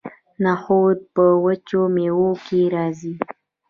نخود په وچو میوو کې راځي.